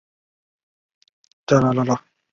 二硝基苯酚